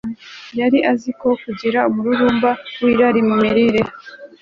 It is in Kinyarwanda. yari azi ko kugira umururumba wirari mu mirire